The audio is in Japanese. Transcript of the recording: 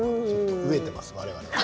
飢えています、我々は。